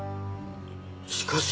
しかし。